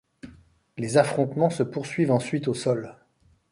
Les affrontements se poursuivent ensuite au sol.